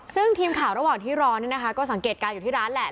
ซึ่งทีมข่าวระหว่างที่รอนี่นะคะก็สังเกตการณ์อยู่ที่ร้านแหละ